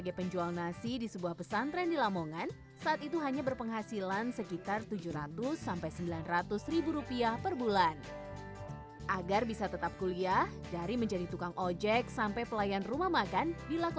gini jadi untuk kapasitas per hari itu bisa sampai ya berapa ya